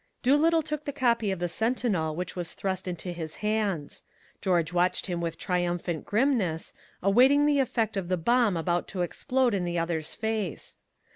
Doolittle took the copy of the Sentinel which was thrust into his hands. George watched him with triumphant grimness, awaiting the effect of the bomb about to explode in the other's face.